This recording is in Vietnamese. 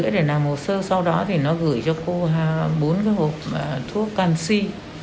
để làm hồ sơ sau đó thì nó gửi cho cô bốn cái hộp thuốc canxi